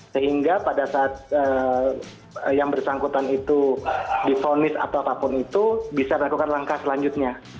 sehingga pada saat yang bersangkutan itu difonis atau apapun itu bisa lakukan langkah selanjutnya